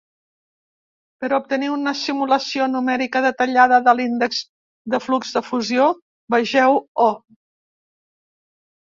Per obtenir una simulació numèrica detallada de l'índex de flux de fusió, vegeu o.